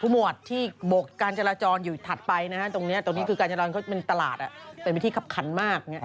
หมวดที่บกการจราจรอยู่ถัดไปนะฮะตรงนี้ตรงนี้คือการจราจรเขาเป็นตลาดเป็นวิธีคับขันมาก